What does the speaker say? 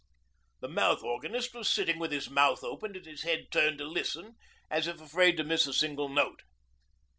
The mouth organist was sitting with his mouth open and his head turned to listen, as if afraid to miss a single note.